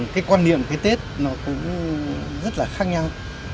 cái quan niệm cái tết nó cũng rất là khác nhau